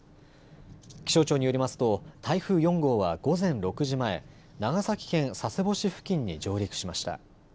気象庁によりますと、台風４号は午前６時前、長崎県佐世保市付近に上陸しました。